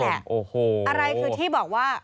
นี่แหละอะไรคือที่บอกว่า